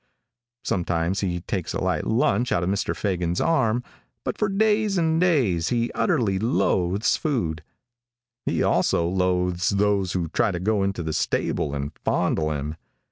Sometimes he takes a light lunch out of Mr. Fagan's arm, but for days and days he utterly loathes food. He also loathes those who try to go into the stable and fondle him.